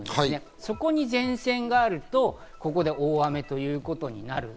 そこに前線があると、ここで大雨ということになる。